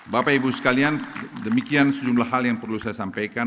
bapak ibu sekalian demikian sejumlah hal yang perlu saya sampaikan